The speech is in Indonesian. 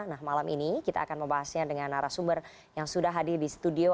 nah malam ini kita akan membahasnya dengan arah sumber yang sudah hadir di studio